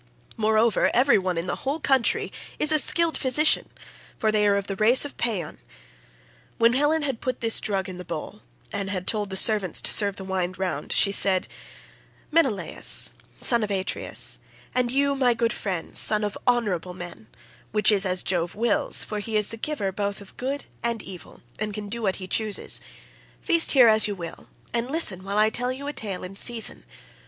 Moreover, every one in the whole country is a skilled physician, for they are of the race of Paeeon. When Helen had put this drug in the bowl, and had told the servants to serve the wine round, she said: "Menelaus, son of Atreus, and you my good friends, sons of honourable men (which is as Jove wills, for he is the giver both of good and evil, and can do what he chooses), feast here as you will, and listen while I tell you a tale in season.